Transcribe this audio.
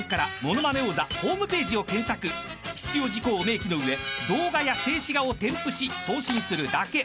［必要事項を明記の上動画や静止画を添付し送信するだけ］